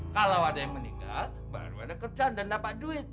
kalau ada yang meninggal baru ada kerjaan dan dapat duit